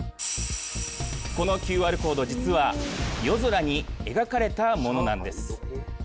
このＱＲコード実は夜空に描かれたものなんです。